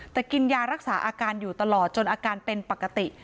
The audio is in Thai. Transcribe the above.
แต่กินยารักษาอาการอยู่ตลอดจนอาการเป็นปกติ